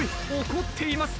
怒っています。